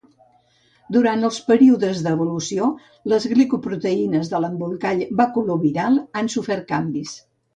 Durant els períodes d'evolució, les glicoproteïnes de l'embolcall baculoviral han sofert canvis.